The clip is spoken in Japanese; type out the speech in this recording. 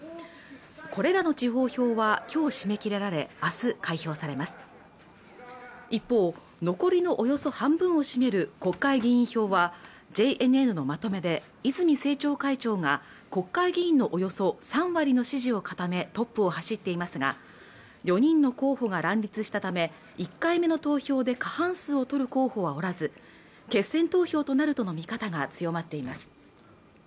これらの地方票は今日締め切られあす開票されます一方残りのおよそ半分を占める国会議員票はＪＮＮのまとめで泉政調会長が国会議員のおよそ３割の支持を固めトップを走っていますが４人の候補が乱立したため１回目の投票で過半数を取る候補はおらず決選投票となるとの見方が強まっています